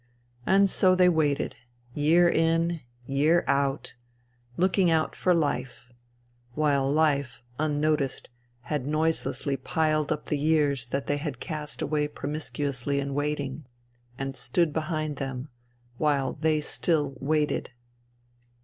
And so they waited, year in, year out, looking out for life : while life, unnoticed, had noiselessly piled up the years that they had cast away promiscuously in waiting, and stood behind them — ^while they still waited.